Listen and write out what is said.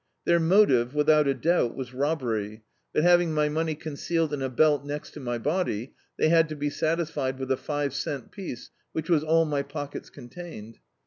Their motive, without a doubt, was robbery, but having my money [1421 D,i.,.db, Google A Lynching concealed in a belt next to my body, they had to be satisfied with' a five cent piece, which was all my pockets contained.